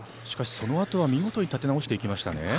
しかしそのあとは見事に立て直していきましたね。